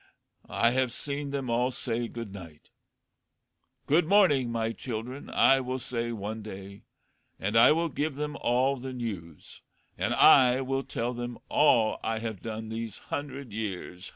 I have seen them all say good night. Good morning, my children, I will say one day, and I will give them all the news, and I will tell them all I have done these hundred years.